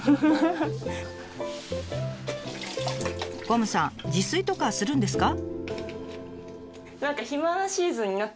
こむさん自炊とかするんですか？